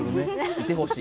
いてほしい。